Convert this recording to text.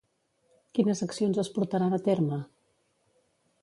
Quines accions es portaran a terme?